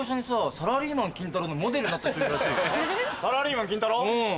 『サラリーマン金太郎』のモデル。